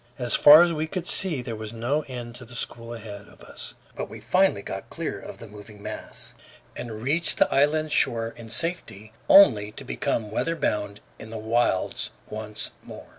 As far as we could see there was no end to the school ahead of us; but we finally got clear of the moving mass and reached the island shore in safety, only to become weather bound in the wilds once more.